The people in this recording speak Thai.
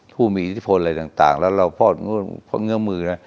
ผู้มีอิทธิพลอะไรต่างแล้วเราพอดเงื้อมือนะ